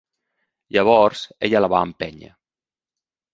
Llavors ella la va empènyer.